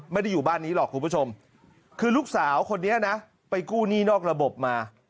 ไม่ได้อยู่บ้านนี้หรอกคุณผู้ชมคือลูกสาวคนนี้นะไปกู้หนี้นอกระบบมา